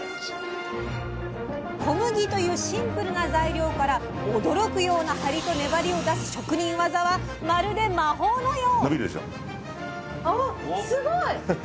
小麦というシンプルな材料から驚くような張りと粘りを出す職人技はまるで魔法のよう！